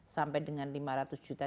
sampai dengan lima ratus juta